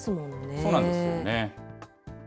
そうなんですよね。